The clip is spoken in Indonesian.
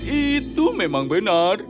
itu memang benar